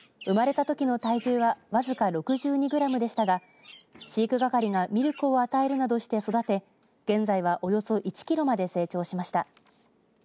生まれたときの体重はわずか６２グラムでしたが飼育係がミルクを与えるなどして育て現在はおよそ１キロまで成長しました。